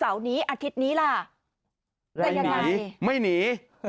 อนาคตอาทิตนี้ได้หนี